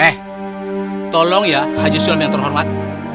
eh tolong ya haji sulmi yang terhormat